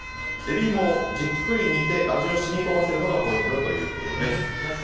エビイモをじっくり煮て味を染み込ませるのがポイントだということです。